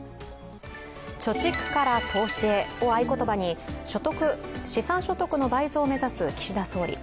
「貯蓄から投資へ」を合言葉に資産所得の倍増を目指す岸田総理。